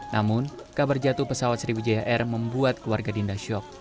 namun kabar jatuh pesawat sriwijaya air membuat keluarga dinda syok